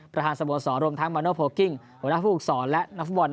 ประหารสมสอสรมทั้งมันอลโพลกิ้งหัวหน้าผู้อุกษรและนัฐบอล